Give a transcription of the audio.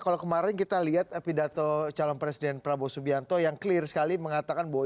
kalau kemarin kita lihat pidato calon presiden prabowo subianto yang clear sekali mengatakan bahwa